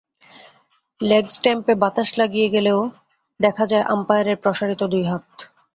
Leg স্টাম্পে বাতাস লাগিয়ে গেলেও দেখা যায় আম্পায়ারের প্রসারিত দুই হাত।